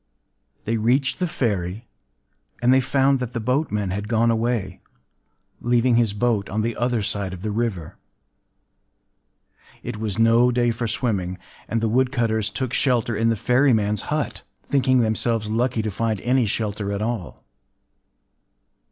They reached the ferry; and they found that the boatman had gone away, leaving his boat on the other side of the river. It was no day for swimming; and the woodcutters took shelter in the ferryman’s hut,—thinking themselves lucky to find any shelter at all.